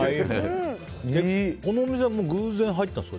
このお店は偶然入ったんですか？